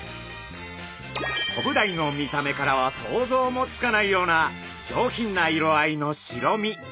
コブダイの見た目からは想像もつかないような上品な色合いの白身。